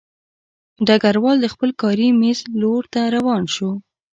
ډګروال د خپل کاري مېز لور ته روان شو